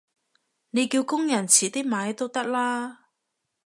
你叫工人遲啲買都得啦